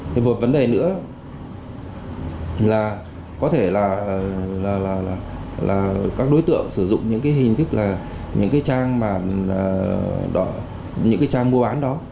thì một vấn đề nữa là có thể là các đối tượng sử dụng những cái hình thức là những cái trang mua bán đó